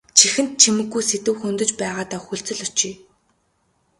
Чихэнд чимэггүй сэдэв хөндөж байгаадаа хүлцэл өчье.